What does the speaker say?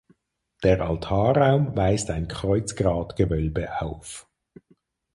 Der Altarraum weist ein Kreuzgratgewölbe auf.